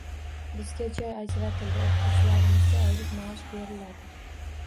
Bizga joy ajratildi, o‘qituvchilarimizga oylik maosh beriladi.